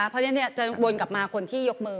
เพราะฉะนั้นจะวนกลับมาคนที่ยกมือ